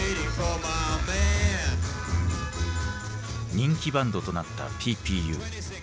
人気バンドとなったＰＰＵ。